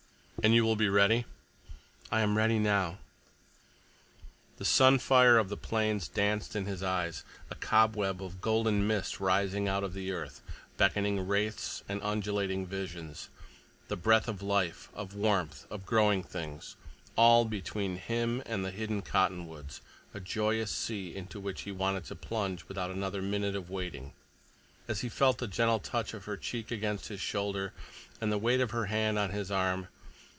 "And you will be ready?" "I am ready now." The sun fire of the plains danced in his eyes; a cob web of golden mist rising out of the earth, beckoning wraiths and undulating visions—the breath of life, of warmth, of growing things—all between him and the hidden cottonwoods; a joyous sea into which he wanted to plunge without another minute of waiting, as he felt the gentle touch of her cheek against his shoulder, and the weight of her hand on his arm.